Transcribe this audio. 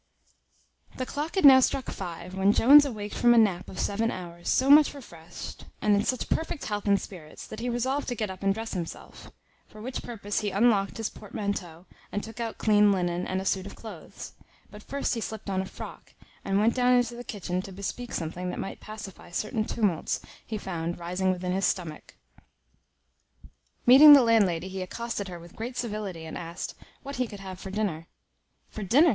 The clock had now struck five when Jones awaked from a nap of seven hours, so much refreshed, and in such perfect health and spirits, that he resolved to get up and dress himself; for which purpose he unlocked his portmanteau, and took out clean linen, and a suit of cloaths; but first he slipt on a frock, and went down into the kitchen to bespeak something that might pacify certain tumults he found rising within his stomach. Meeting the landlady, he accosted her with great civility, and asked, "What he could have for dinner?" "For dinner!"